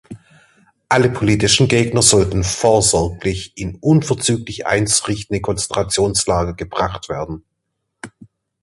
Alle politischen Gegner sollten „vorsorglich“ in unverzüglich einzurichtende Konzentrationslager gebracht werden.